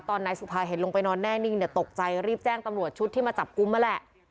นายสุภาเห็นลงไปนอนแน่นิ่งเนี่ยตกใจรีบแจ้งตำรวจชุดที่มาจับกุมนั่นแหละ